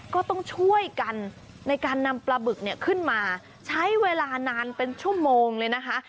ก็ต้องช่วยกันในการนำปลาบึกเนี่ยขึ้นมาใช้เวลานานเป็นชั่วโมงเลยนะคะ